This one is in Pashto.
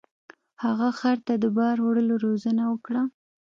هغه خر ته د بار وړلو روزنه ورکړه.